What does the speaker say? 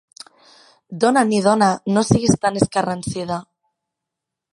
Dona-n'hi, dona, no siguis tan escarransida.